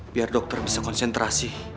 biar dokter bisa konsentrasi